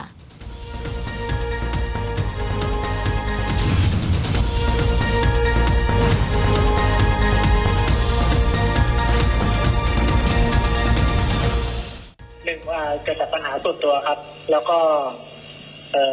หนึ่งจะจัดสนามส่วนตัวเอง